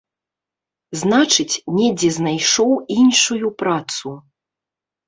Значыць, недзе знайшоў іншую працу.